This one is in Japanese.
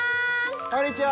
こんにちは！